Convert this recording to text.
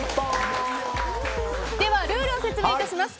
ルールを説明いたします。